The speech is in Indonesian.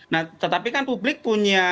nah tetapi kan publik punya